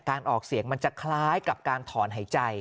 ออกเสียงมันจะคล้ายกับการถอนหายใจ